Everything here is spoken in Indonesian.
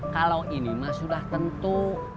kalau ini mah sudah tentu